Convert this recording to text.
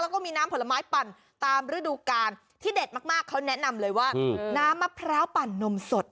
แล้วก็มีน้ำผลไม้ปั่นตามฤดูกาลที่เด็ดมากเขาแนะนำเลยว่าน้ำมะพร้าวปั่นนมสด